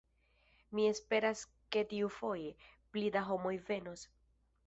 Mi esperas ke tiufoje, pli da homoj venos.